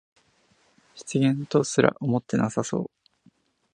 失言とすら思ってなさそう